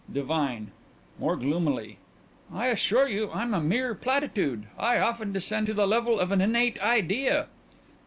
DIVINE: (More gloomily) I assure you I'm a mere platitude. I often descend to the level of an innate idea.